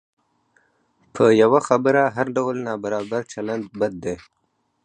په یوه خبره هر ډول نابرابر چلند بد دی.